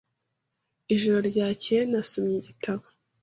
Ijoro ryakeye, nasomye igitabo.